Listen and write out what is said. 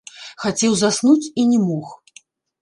Хацеў заснуць і не мог.